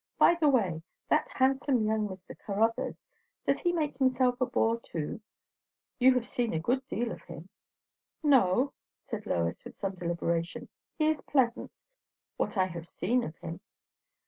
By the way! That handsome young Mr. Caruthers does he make himself a bore too? You have seen a good deal of him." "No," said Lois with some deliberation. "He is pleasant, what I have seen of him."